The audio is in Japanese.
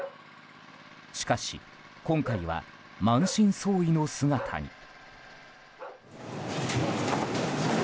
しかし今回は、満身創痍の姿に。